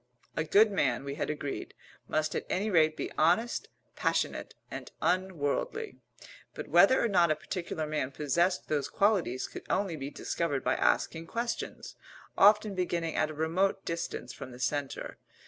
A good man, we had agreed, must at any rate be honest, passionate, and unworldly. But whether or not a particular man possessed those qualities could only be discovered by asking questions, often beginning at a remote distance from the centre.